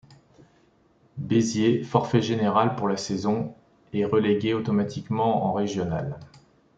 Béziers, forfait général pour la saison, est relégué automatiquement en régional.